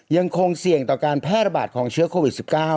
ยังคงเสี่ยงต่อการแพร่ระบาดของเชื้อโควิด๑๙